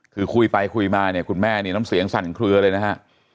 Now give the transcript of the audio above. คือคุยไปคุยมาเนี่ยคุณแม่นี่น้ำเสียงสั่นเคลือเลยนะฮะ